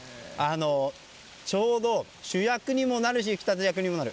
ちょうど主役にもなるし引き立て役にもなる。